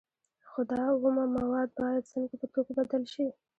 خو دا اومه مواد باید څنګه په توکو بدل شي